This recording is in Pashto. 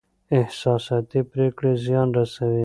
احساساتي پرېکړې زيان رسوي.